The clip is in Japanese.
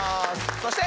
そして。